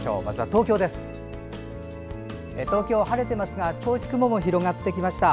東京、晴れていますが少し雲も広がってきました。